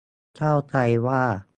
เข้าใจว่า